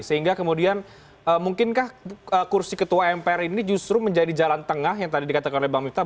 sehingga kemudian mungkinkah kursi ketua mpr ini justru menjadi jalan tengah yang tadi dikatakan oleh bang miftah